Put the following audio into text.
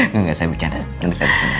nggak saya bicara nanti saya pesen lagi